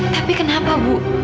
tapi kenapa bu